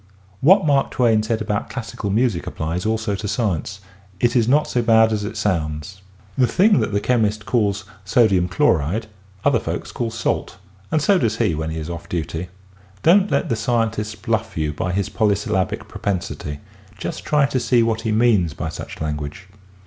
What Mark Twain said about classical music applies also to science ;" It is not so bad as it sounds." The 48 EASY LESSONS IN EINSTEIN thing that the chemist calls " sodium chloride " other folks call *' salt "— and so does he when he is off duty. Don't let the scientist bluff you by his polysyllablic propensity. Just try to see what he means by such language.